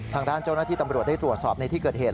ทางด้านเจ้าหน้าที่ตำรวจได้ตรวจสอบในที่เกิดเหตุ